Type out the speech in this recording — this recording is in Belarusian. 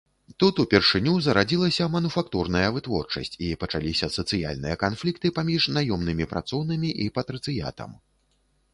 Тут упершыню зарадзілася мануфактурная вытворчасць і пачаліся сацыяльныя канфлікты паміж наёмнымі працоўнымі і патрыцыятам.